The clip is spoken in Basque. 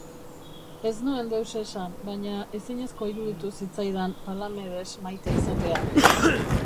Ez nuen deus esan, baina ezinezkoa iruditu zitzaidan Palamedes maite izatea.